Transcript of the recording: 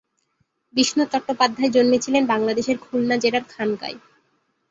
বিষ্ণু চট্টোপাধ্যায় জন্মেছিলেন বাংলাদেশের খুলনা জেলার খানকায়।